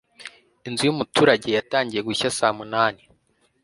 Inzu y'umuturage yatangiye gushya saa munani